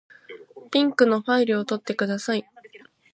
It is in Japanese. ピンクのファイルを取ってください。